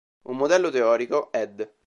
Un modello teorico" Ed.